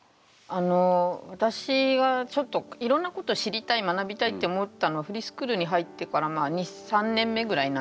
あの私はちょっといろんなこと知りたい学びたいって思ったのはフリースクールに入ってから２３年目ぐらいなんです。